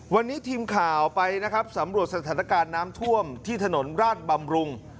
วันนี้ทีมข่าวไปนะครับสำรวจสถานการณ์น้ำท่วมที่ถนนราชบำรุง